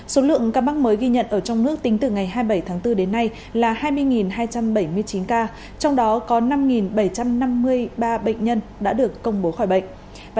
số lượng ca mắc mới ghi nhận ở trong nước tính từ ngày hai mươi bảy tháng bốn đến nay là hai mươi hai trăm bảy mươi chín ca trong đó có năm bảy trăm năm mươi ba bệnh nhân đã được công bố khỏi bệnh